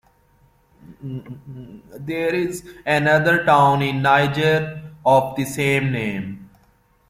There is another town in Niger of the same name.